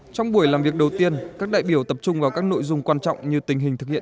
trong buổi làm việc đầu tiên các đại biểu tập trung vào các nội dung quan trọng như tình hình thực hiện